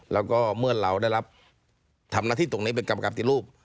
แล้วก็เมื่อเราได้รับทำหน้าที่ตรงนี้เป็นกรรมการปฏิรูป